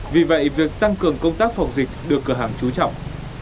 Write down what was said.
vì vậy việc tăng cường công tác phòng dịch được cửa hàng trú trọng